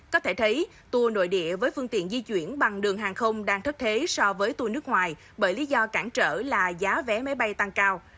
có thể thấy tour nội địa với phương tiện di chuyển bằng đường hàng không đang thấp thế so với tour nước ngoài bởi lý do cản trở là giá vé máy bay tăng cao